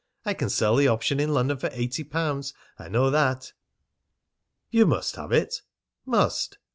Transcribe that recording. I can sell the option in London for eighty pounds, I know that." "You must have it?" "Must!"